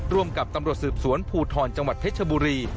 ร่วมกับตำรวจสืบสวนภูทรจังหวัดเพชรบุรี